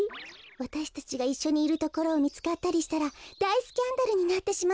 わたしたちがいっしょにいるところをみつかったりしたらだいスキャンダルになってしまうわね。